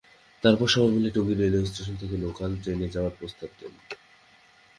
তারপর সবাই মিলে টঙ্গী রেলস্টেশন থেকে লোকাল ট্রেনে যাওয়ার প্রস্তাব দেন।